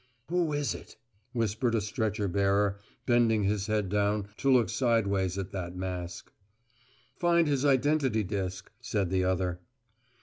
"Who is it?" whispered a stretcher bearer, bending his head down to look sideways at that mask. "Find his identity disc," said the other.